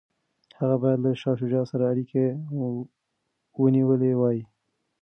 هغه باید له شاه شجاع سره اړیکي ونیولي وای.